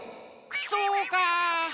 そうか。